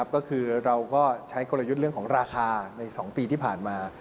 ก็คือเราก็ใช้กลยุทธ์เรื่องของราคาใน๒ปีที่ผ่านมา